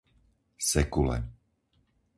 Sekule